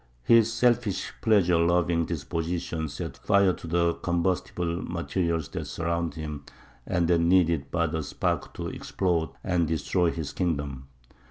His selfish pleasure loving disposition set fire to the combustible materials that surrounded him and that needed but a spark to explode and destroy his kingdom.